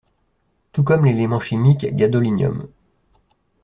Tout comme l'élément chimique Gadolinium.